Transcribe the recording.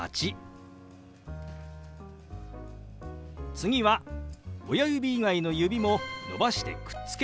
次は親指以外の指も伸ばしてくっつけます。